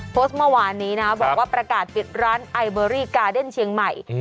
โพสต์เมื่อวานนี้นะบอกว่าประกาศปิดร้านไอเบอรี่กาเดนเชียงใหม่